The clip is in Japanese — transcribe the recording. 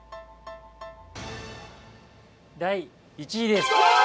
第１位です。